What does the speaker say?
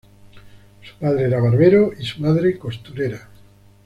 Su padre era barbero, y su madre costurera.